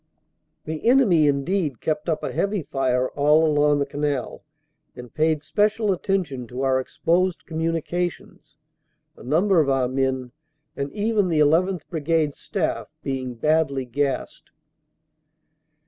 The enemy indeed kept up a heavy fire all along the canal, and paid special attention to our exposed communications, a number of our men, and even the llth. Brigade Staff, being badly gassed.